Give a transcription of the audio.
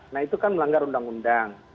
nah itu kan melanggar undang undang